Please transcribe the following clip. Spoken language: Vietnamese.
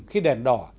khi đèn đỏ